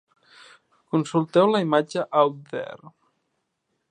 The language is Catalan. Consulteu la imatge Out There.